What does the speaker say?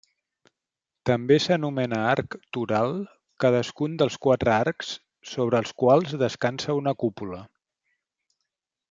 També s'anomena arc toral cadascun dels quatre arcs sobre els quals descansa una cúpula.